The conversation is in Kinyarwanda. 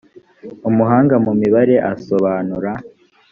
umuhanga mu mibare asobanura